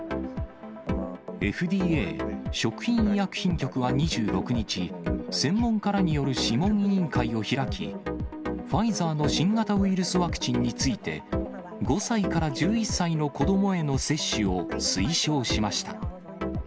ＦＤＡ・食品医薬品局は２６日、専門家らによる諮問委員会を開き、ファイザーの新型ウイルスワクチンについて、５歳から１１歳の子どもへの接種を推奨しました。